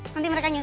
nanti mereka nyusul